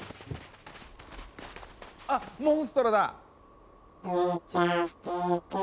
あっモンストロだ！